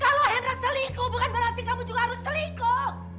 kalau hendra selingkuh bukan berarti kamu juga harus selingkuh